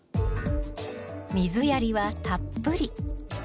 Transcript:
水やりはたっぷり。